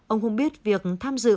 ông không biết việc tham dự